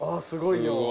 すごいよ。